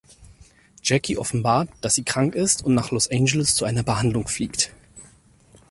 Jackie offenbart, dass sie krank ist und nach Los Angeles zu einer Behandlung fliegt.